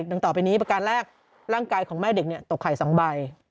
ดังต่อไปนี้ประการแรกร่างกายของแม่เด็กตกไข่๒ใบ